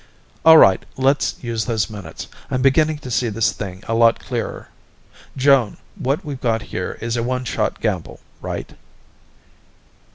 "All right, let's use those minutes. I'm beginning to see this thing a little clearer. Joan, what we've got here is a one shot gamble; right?"